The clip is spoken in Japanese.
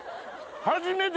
初めて！